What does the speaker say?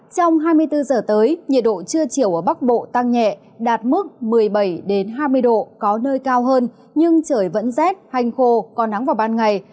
trong hai mươi bốn giờ tới nhiệt độ trưa chiều ở bắc bộ tăng nhẹ đạt mức một mươi bảy hai mươi độ có nơi cao hơn nhưng trời vẫn rét hanh khô có nắng vào ban ngày